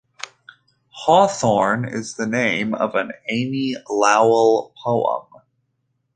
Hawthorn is the name of an Amy Lowell poem.